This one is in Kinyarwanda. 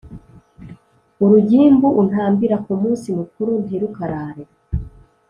urugimbu untambira ku munsi mukuru ntirukarare